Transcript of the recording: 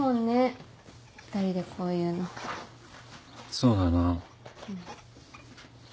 そうだな。